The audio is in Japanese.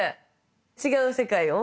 違う世界を？